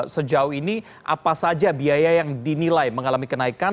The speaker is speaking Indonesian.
sejauh ini apa saja biaya yang dinilai mengalami kenaikan